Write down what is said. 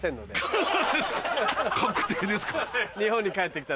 確定ですか？